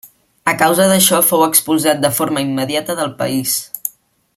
A causa d'això fou expulsat de forma immediata del país.